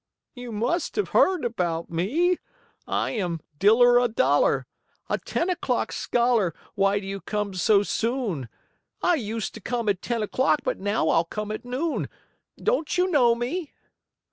You must have heard about me. I am Diller a Dollar, a ten o'clock scholar, why do you come so soon? I used to come at ten o'clock, but now I'll come at noon. Don't you know me?"